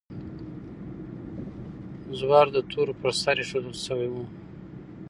زور د تورو پر سر ایښودل شوی و.